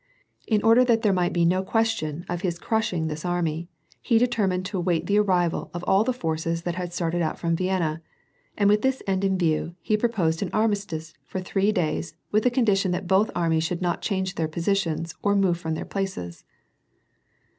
In order that there might be no question of his crushing this army, he determined to wait the arrival of all the forces that had started out from Vienna, and with this end in view, he proposed an armistice for three days, with the condition that both armies should not change their positions, or move from their places.